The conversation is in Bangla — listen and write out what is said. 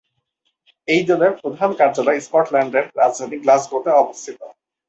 এই দলের প্রধান কার্যালয় স্কটল্যান্ডের রাজধানী গ্লাসগোতে অবস্থিত।